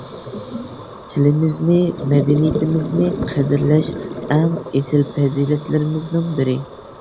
تىلىمىزنى، مەدەنىيىتىمىزنى قەدىرلەش ئەڭ ئېسىل پەزىلەتلىرىمىزنىڭ بىرى.